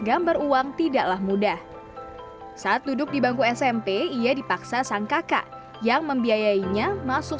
gambar uang tidaklah mudah saat duduk di bangku smp ia dipaksa sang kakak yang membiayainya masuk